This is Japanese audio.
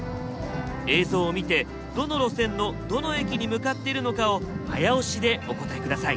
映像を見てどの路線のどの駅に向かっているのかを早押しでお答え下さい。